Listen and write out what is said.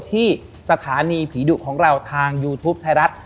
ที่สถานีผีดุของเราทางยูทูปไทยรัฐ